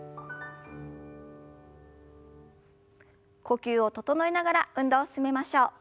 呼吸を整えながら運動を進めましょう。